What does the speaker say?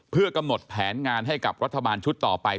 เพื่อกำหนดแผนงานให้กับรัฐบาลชุดต่อไป